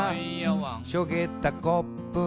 「しょげたコップに」